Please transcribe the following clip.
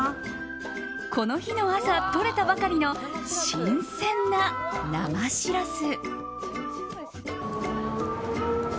この日の朝とれたばかりの新鮮な生シラス。